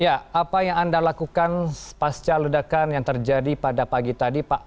ya apa yang anda lakukan pasca ledakan yang terjadi pada pagi tadi pak